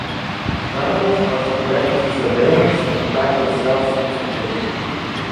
Journalists are subject to surveillance and practice self-censorship.